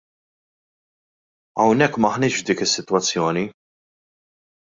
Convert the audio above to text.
Hawnhekk m'aħniex f'dik is-sitwazzjoni.